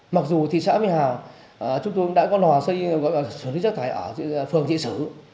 mặc dù thị xã mỹ hà chúng tôi đã có nò xây gọi là xử lý rác thải ở phường thị xử